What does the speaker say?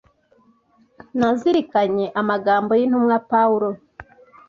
Nazirikanye amagambo y’intumwa Pawulo